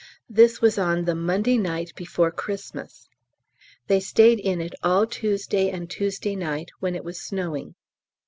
This was on the Monday night before Xmas. They stayed in it all Tuesday and Tuesday night, when it was snowing.